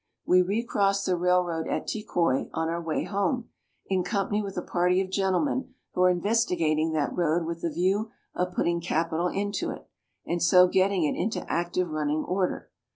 We recrossed the railroad at Tekoi, on our way home, in company with a party of gentlemen who are investigating that road with a view of putting capital into it, and so getting it into active running order.